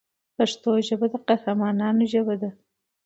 پښتو ژبه د قهرمانانو ژبه ده.